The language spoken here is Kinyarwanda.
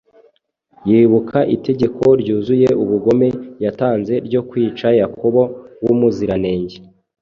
yibuka itegeko ryuzuye ubugome yatanze ryo kwica Yakobo w’umuziranenge